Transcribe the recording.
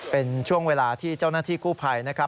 เป็นช่วงเวลาที่เจ้าหน้าที่กู้ภัยนะครับ